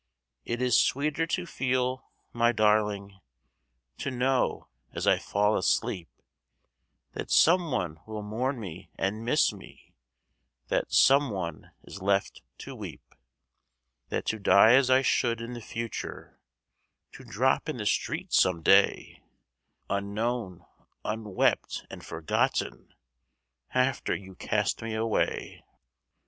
It is sweeter to feel, my darling To know as I fall asleep That some one will mourn me and miss me, That some one is left to weep, Than to die as I should in the future, To drop in the street some day, Unknown, unwept, and forgotten After you cast me away.